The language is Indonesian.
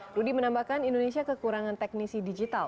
rudy menambahkan indonesia kekurangan teknisi digital